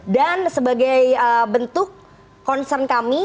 dan sebagai bentuk concern kami